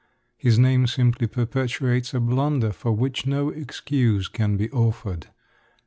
His name simply perpetuates a blunder for which no excuse can be offered.